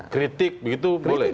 kritik begitu boleh